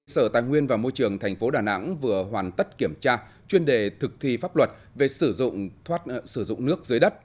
sở tài nguyên và môi trường tp đà nẵng vừa hoàn tất kiểm tra chuyên đề thực thi pháp luật về sử dụng nước dưới đất